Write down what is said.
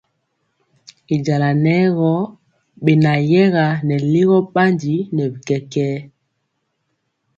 Y jala nɛ gɔ benayɛga nɛ ligɔ bandi nɛ bi kɛkɛɛ.